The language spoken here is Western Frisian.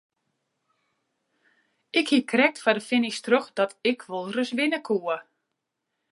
Ik hie krekt foar de finish troch dat ik wol ris winne koe.